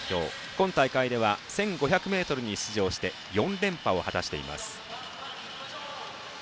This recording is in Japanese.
今大会では１５００ｍに出場して４連覇を果たしています。